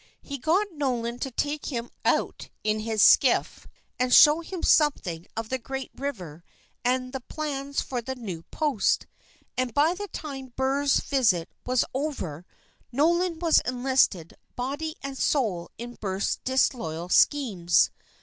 He got Nolan to take him out in his skiff and show him something of the great river and the plans for the new post; and by the time Burr's visit was over Nolan was enlisted body and soul in Burr's disloyal schemes.